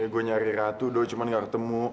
gue nyari ratu doh cuman gak ketemu